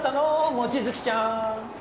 望月ちゃん